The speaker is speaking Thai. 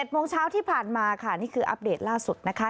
โมงเช้าที่ผ่านมาค่ะนี่คืออัปเดตล่าสุดนะคะ